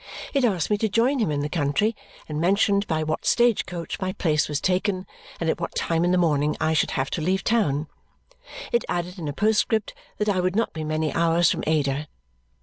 It asked me to join him in the country and mentioned by what stage coach my place was taken and at what time in the morning I should have to leave town. It added in a postscript that I would not be many hours from Ada.